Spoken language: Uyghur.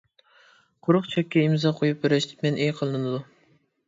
قۇرۇق چەككە ئىمزا قويۇپ بېرىش مەنئى قىلىنىدۇ.